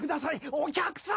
お客様！